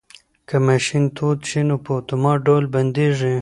که ماشین تود شي نو په اتومات ډول بندیږي.